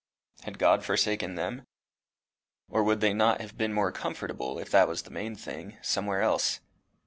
Had God forsaken them? or would they not have been more comfortable, if that was the main thing, somewhere else?